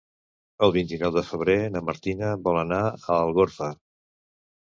El vint-i-nou de febrer na Martina vol anar a Algorfa.